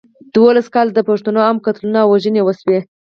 دولس کاله د پښتنو عام قتلونه او وژنې وشوې.